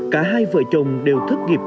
cả hai vợ chồng đều thất nghiệp